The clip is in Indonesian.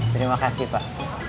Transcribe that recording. terima kasih pak